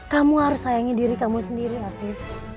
kamu harus sayangi diri kamu sendiri aktif